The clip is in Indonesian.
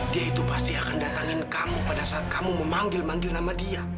dia itu pasti akan datangin kamu pada saat kamu memanggil manggil nama dia